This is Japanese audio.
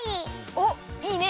おっいいね！